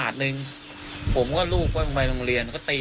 ถูกอยู่มาตรงนี้